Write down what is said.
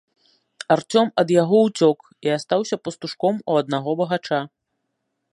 Арцём ад яго ўцёк і астаўся пастушком у аднаго багача.